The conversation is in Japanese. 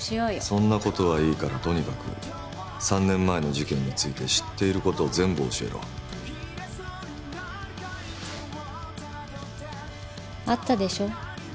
そんなことはいいからとにかく３年前の事件について知っていることを全部教えろあったでしょ？